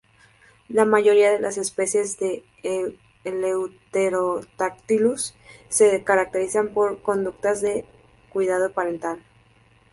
La mayoría de las especies de "Eleutherodactylus" se caracterizan por conductas de cuidado parental.